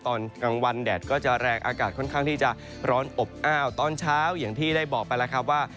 ตอนกลางวันแดดก็จะแรงอากาศค่อนข้างที่จะร้อนอบอ้าวตอนเช้าอย่างที่ได้บอกไปแล้วครับว่า